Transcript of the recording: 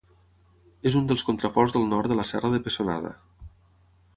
És un dels contraforts del nord de la Serra de Pessonada.